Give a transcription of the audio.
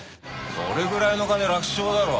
それぐらいの金楽勝だろ。